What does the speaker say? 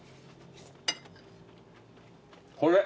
これ！